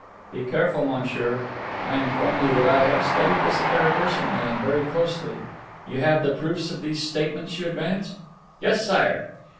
"Be careful, monsieur. I inform you that I have studied this affair personally and very closely. You have the proofs of these statements you advance?" "Yes, Sire."